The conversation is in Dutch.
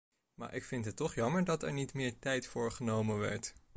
Maar ik vind het toch jammer dat er niet meer tijd voor genomen werd.